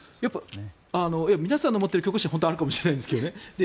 皆さんの持っている教科書はあるかもしれないんですけどね。